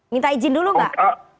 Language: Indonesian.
minta izin dulu enggak